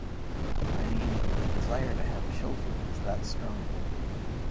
I mean, my desire to have children was that strong.